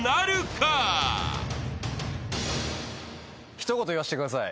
一言言わせてください。